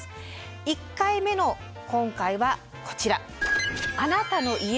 １回目の今回はこちら。